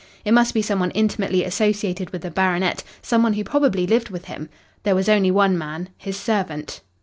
It must be some one intimately associated with the baronet, some one who probably lived with him. There was only one man his servant.